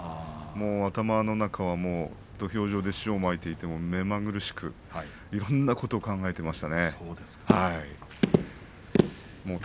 頭の中いつも土俵上で塩をまいていてもめまぐるしくいろんなことを考えていました。